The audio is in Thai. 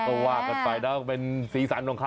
มาว่ากันไปแล้วเป็นสีสันสองเค้า